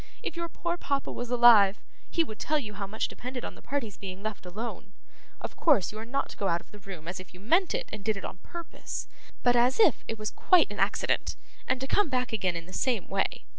If your poor papa was alive, he would tell you how much depended on the parties being left alone. Of course, you are not to go out of the room as if you meant it and did it on purpose, but as if it was quite an accident, and to come back again in the same way.